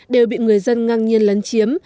đều bị người dân ngang nhiên lấn chiếm